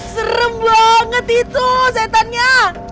serem banget itu setannya